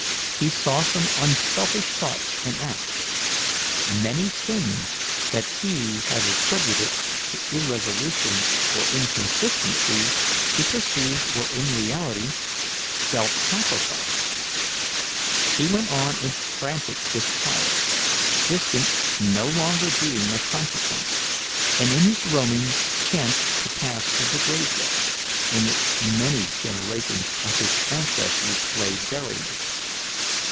He saw some unselfish thoughts and acts. Many things that he had attributed to irresolution or inconsistency, he perceived were in reality self sacrifice. He went on in frantic disquiet, distance no longer being of consequence, and in his roaming chanced to pass through the graveyard in which many generations of his ancestors lay buried.